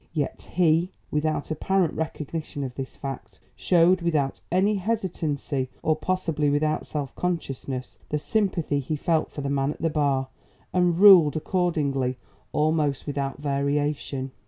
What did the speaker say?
Yet HE, without apparent recognition of this fact, showed without any hesitancy or possibly without self consciousness, the sympathy he felt for the man at the bar, and ruled accordingly almost without variation.